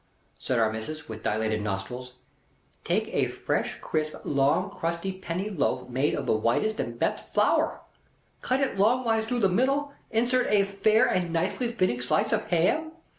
said Our Missis, with dilated nostrils. "Take a fresh crisp long crusty penny loaf made of the whitest and best flower. Cut it longwise through the middle. Insert a fair and nicely fitting slice of ham.